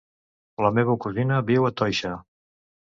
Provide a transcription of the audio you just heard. La meva cosina viu a Toixa.